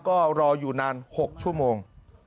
ก็รออยู่นาน๖ชั่วโมง